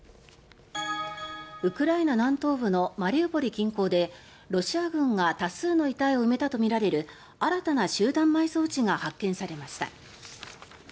ウクライナ南東部のマリウポリ近郊でロシア軍が多数の遺体を埋めたとみられる新たな集団埋葬地が発見されました。